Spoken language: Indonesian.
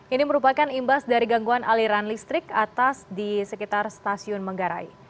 ini merupakan imbas dari gangguan aliran listrik atas di sekitar stasiun menggarai